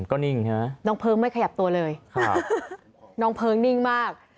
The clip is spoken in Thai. ก็นิ่งฮะน้องเพลิงไม่ขยับตัวเลยครับน้องเพลิงนิ่งมาก